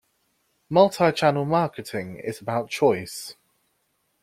Multichannel marketing is about choice.